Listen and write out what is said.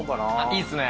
いいっすね。